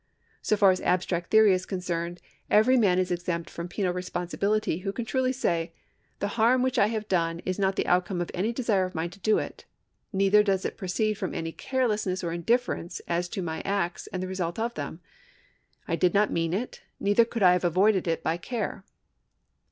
So far as abstract theory is concerned, every man is exempt from penal responsibility who can truly say : The harm which I have done is not the outcome of any desire of mine to do it ; neither does it proceed from any carelessness or indifference as to my acts and the results of them ; I did not mean it, neither could I have avoided it by care.